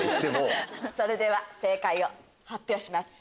それでは正解を発表します。